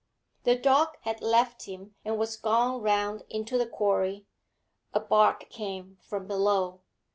The dog had left him and was gone round into the quarry. A bark came from below.